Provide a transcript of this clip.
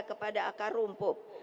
kepada akar rumput